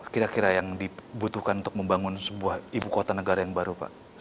kira kira yang dibutuhkan untuk membangun sebuah ibu kota negara yang baru pak